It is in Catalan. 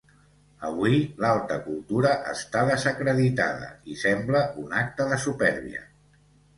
Avui, l'alta cultura està desacreditada i sembla un acte de supèrbia.